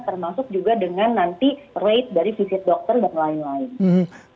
termasuk juga dengan nanti rate dari visit dokter dan lain lain